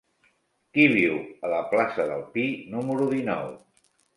Qui viu a la plaça del Pi número dinou?